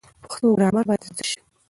پښتو ګرامر باید زده شي.